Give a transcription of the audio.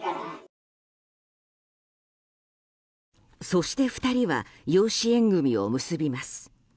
そして２人は養子縁組を結びます。